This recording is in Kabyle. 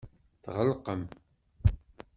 Tɣelqem.